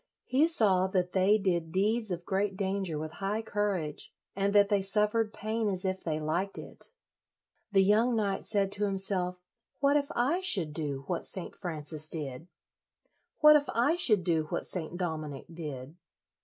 He saw that they did deeds of great danger with high courage, and that they suffered pain as if they liked it. The young knight said to himself, "What if I should do what St. Francis did?" "What if I should do what St. Dominic did?